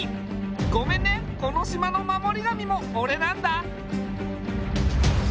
ごめんねこの島の守り神も俺なんだ。